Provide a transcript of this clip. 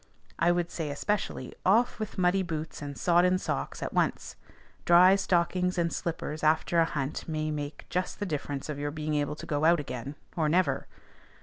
I would say especially, "Off with muddy boots and sodden socks at once:" dry stockings and slippers after a hunt may make just the difference of your being able to go out again, or never.